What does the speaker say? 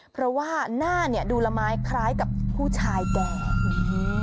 เพราะว่าหน้าดูลไม้คล้ายกับผู้ชายแก่